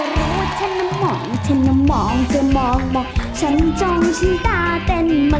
บอกฉันแล้วฉันจะหาให้เธอ